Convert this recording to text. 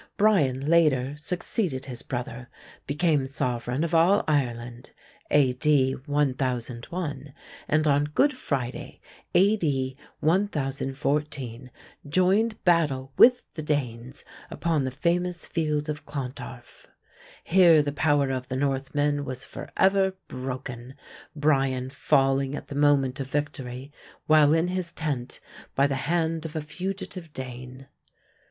Brian later succeeded his brother, became sovereign of all Ireland (A.D. 1001), and, on Good Friday, A.D. 1014, joined battle with the Danes upon the famous field of Clontarf. Here the power of the Northmen was forever broken, Brian falling at the moment of victory, while in his tent, by the hand of a fugitive Dane.